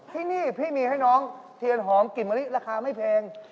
ที่นี่พี่มีให้น้องเทียนหอมกลิ่นมะลิราคาไม่แพง